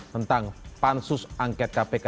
tentang pansus angket kpk